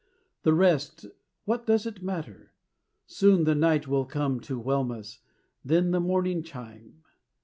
The rest what does it matter? Soon the night Will come to whelm us, then the morning chime.